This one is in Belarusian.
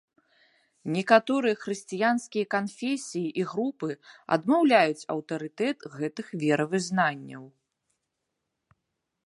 Некаторыя хрысціянскія канфесіі і групы адмаўляюць аўтарытэт гэтых веравызнанняў.